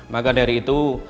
maka dari itu